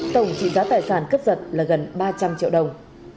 tổng trị giá tài sản cướp giật là gần ba trăm linh triệu đồng